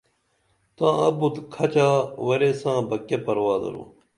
تاں ابُت کھچا ورے کساں بہ کیہ پروا درو